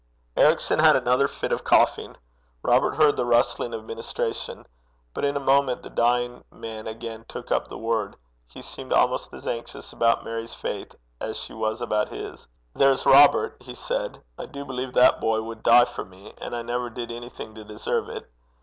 Ericson had another fit of coughing. Robert heard the rustling of ministration. But in a moment the dying man again took up the word. He seemed almost as anxious about Mary's faith as she was about his. 'There's Robert,' he said: 'I do believe that boy would die for me, and I never did anything to deserve it.